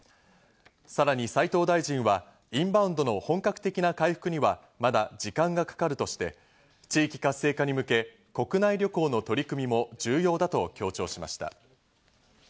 さらに斉藤大臣はインバウンドの本格的な回復には、まだ時間がかかるとして、地域活性化に向け国内旅行の取り組みも重要だと強調しました。